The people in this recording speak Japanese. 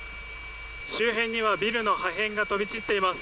周辺にはビルの破片が飛び散っています。